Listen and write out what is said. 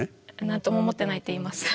何とも思ってないって言います。